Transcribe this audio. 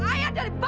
ayah dari bapak